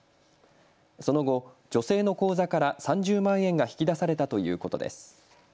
その後、女性の口座から３０万円が引き出されたということです。